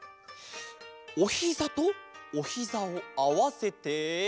おひざとおひざをあわせて。